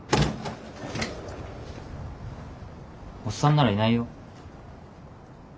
おっさんならいないよ。